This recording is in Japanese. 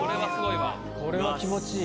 これは気持ちいい。